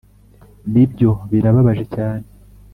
nibyo. birababaje cyane